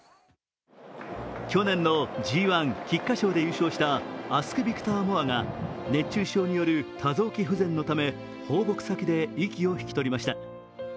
去年のＧⅠ菊花賞で優勝したアクスビクターモアが熱中症による多臓器不全のため放牧先で息を引き取りました。